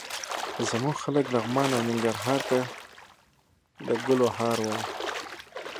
زموږ خلک لغمان او ننګرهار ته د ګل هار وايي.